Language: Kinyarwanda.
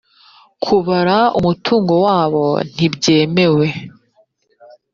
kubara umutungo wabo ntibyemewe